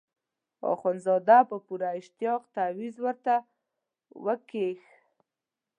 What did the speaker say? اخندزاده په پوره اشتیاق تاویز ورته وکیښ.